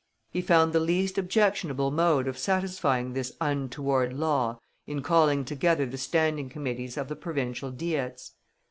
He found the least objectionable mode of satisfying this untoward law in calling together the Standing Committees of the Provincial Diets.